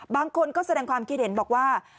บางคนก็แสดงความคิดเห็นบอกว่า